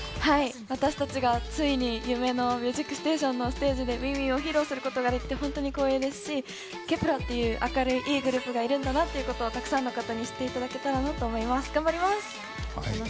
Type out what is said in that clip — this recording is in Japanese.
私たちがついに夢の「ミュージックステーション」のステージで「ＷｉｎｇＷｉｎｇ」を披露することができて本当に光栄ですしＫｅｐ１ｅｒという明るいいいグループがいるんだなということをたくさんの方に知っていただけたらなと思います。